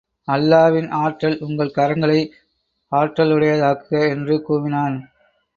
அல்லாவின் ஆற்றல் உங்கள் கரங்களை ஆற்றலுடையதாக்குக? என்று கூவினான்.